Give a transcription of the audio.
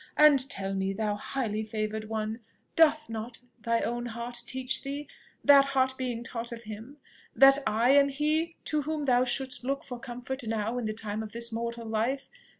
And tell me, thou highly favoured one, doth not thy own heart teach thee, that heart being taught of him, that I am he to whom thou shouldst look for comfort now in the time of this mortal life?